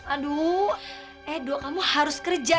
aduh edo kamu harus kerja